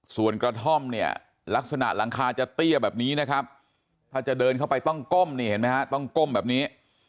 ส่วนกระท่อมเนี่ยลักษณะหลังคาจะเตี้ยแบบนี้นะครับถ้าจะเดินเข้าไปต้องก้มนี่เห็นไหมฮะต้องก้มแบบนี้